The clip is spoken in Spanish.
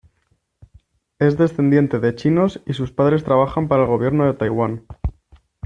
Es descendiente de chinos, y sus padres trabajan para el gobierno de Taiwán.